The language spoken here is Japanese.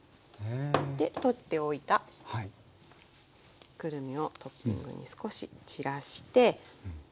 で取っておいたくるみをトッピングに少しちらして。